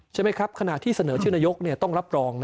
ใช่ไหมครับขณะที่เสนอชื่อนายกต้องรับรอง